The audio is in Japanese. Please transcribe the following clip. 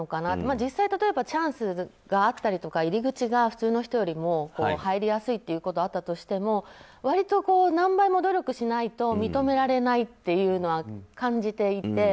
実際例えばチャンスがあったりとか入り口が普通の人よりも入りやすいということはあったとしても割と何倍も努力しないと認められないというのは感じていて。